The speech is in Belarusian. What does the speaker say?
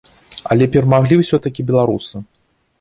Але перамаглі ўсё-такі беларусы!